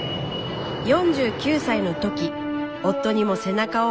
４９歳の時夫にも背中を押されて渡米。